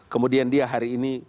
kemudian dia hari ini